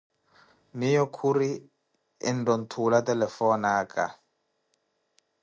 Miyo khuri, entta onthuula telefoni aka.